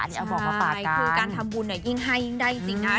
ใช่คือการทำบุญเนี่ยยิ่งไฮยิ่งใดจริงนะ